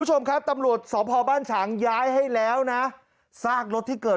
คุณผู้ชมครับตำรวจสพบ้านฉางย้ายให้แล้วนะซากรถที่เกิด